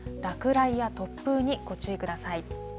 落雷や突風にご注意ください。